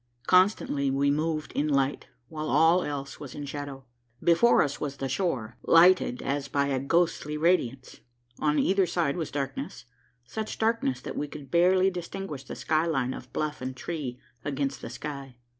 Constantly we moved in light, while all else was in shadow. Before us was the shore, lighted as by a ghostly radiance, on either side was darkness, such darkness that we could barely distinguish the sky line of bluff and tree against the sky.